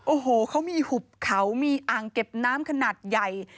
โอ้โหเขามีหุบเขามีอ่างเก็บน้ำขนาดใหญ่